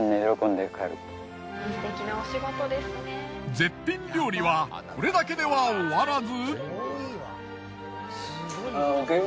絶品料理はこれだけでは終わらず。